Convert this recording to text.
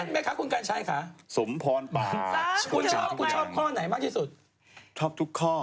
แม่คะคุณกัญชัยคะสมพรปาคุณชอบทุกข้อ